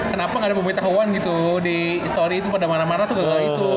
kenapa nggak ada pembitahuan gitu di story itu pada mana mana tuh nggak gitu